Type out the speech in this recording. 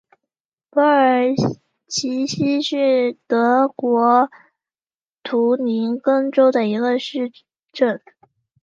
珀尔齐希是德国图林根州的一个市镇。